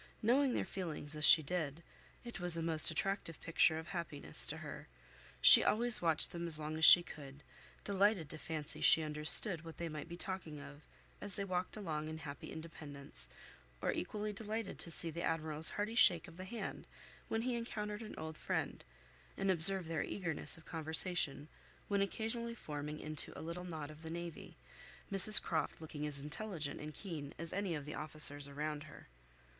Knowing their feelings as she did, it was a most attractive picture of happiness to her. She always watched them as long as she could, delighted to fancy she understood what they might be talking of, as they walked along in happy independence, or equally delighted to see the Admiral's hearty shake of the hand when he encountered an old friend, and observe their eagerness of conversation when occasionally forming into a little knot of the navy, Mrs Croft looking as intelligent and keen as any of the officers around her.